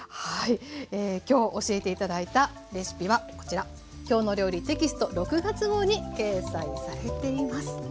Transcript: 今日教えて頂いたレシピはこちら「きょうの料理」テキスト６月号に掲載されています。